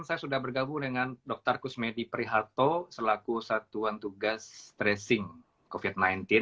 saya sudah bergabung dengan dr kusmedi priharto selaku satuan tugas tracing covid sembilan belas